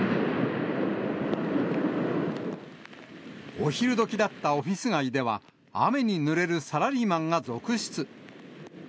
お昼時だったオフィス街では、雨にぬれるサラリーマンが続出。